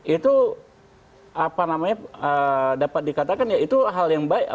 itu apa namanya dapat dikatakan ya itu hal yang baik